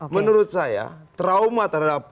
menurut saya trauma terhadap